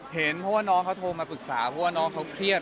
เห็นเพราะว่าน้องเขาโทรมาปรึกษาเพราะว่าน้องเขาเครียด